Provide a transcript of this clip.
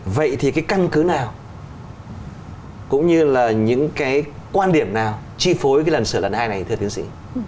vậy thì cái căn cứ nào cũng như là những cái quan điểm nào chi phối cái lần sửa lần hai này thưa tiến sĩ